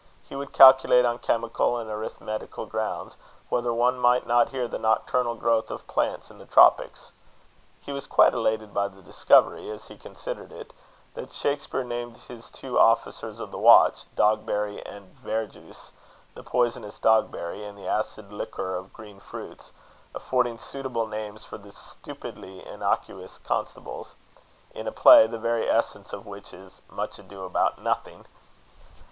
He would calculate, on chemical and arithmetical grounds, whether one might not hear the nocturnal growth of plants in the tropics. He was quite elated by the discovery, as he considered it, that Shakspeare named his two officers of the watch, Dogberry and Verjuice; the poisonous Dogberry, and the acid liquor of green fruits, affording suitable names for the stupidly innocuous constables, in a play the very essence of which is Much Ado About Nothing.